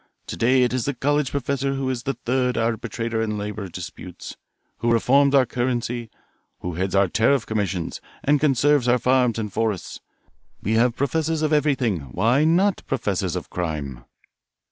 To day it is the college professor who is the third arbitrator in labour disputes, who reforms our currency, who heads our tariff commissions, and conserves our farms and forests. We have professors of everything why not professors of crime?"